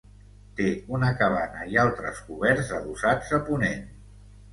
Té una cabana i altres coberts adossats a ponent.